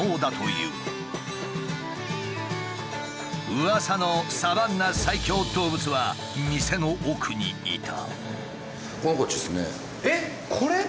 うわさのサバンナ最恐動物は店の奥にいた。